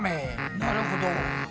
なるほど。